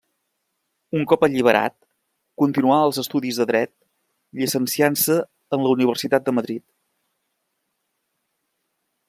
Un cop alliberat, continuà els estudis de dret, llicenciant-se en la Universitat de Madrid.